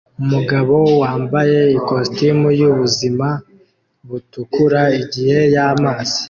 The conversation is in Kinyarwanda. Umugabo wambaye ikositimu yubuzima butukura igihe yamazi